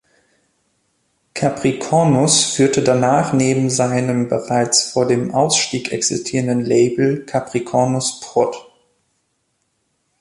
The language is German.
Capricornus führte danach neben seinem bereits vor dem Ausstieg existierenden Label Capricornus Prod.